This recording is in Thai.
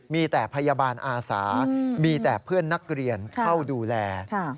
มีแต่พยาบาลอาสามีแต่เพื่อนนักเรียนเข้าดูแล